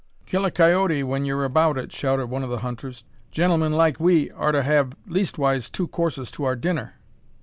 "Kill a coyote when ye're about it," shouted one of the hunters; "gentlemen like we oughter have leastwise two courses to our dinner."